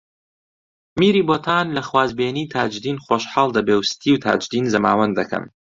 میری بۆتان لە خوازبێنیی تاجدین خۆشحاڵ دەبێ و ستی و تاجدین زەماوەند دەکەن